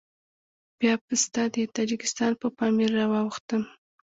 بيا پسته د تاجکستان په پامير راواوښتم.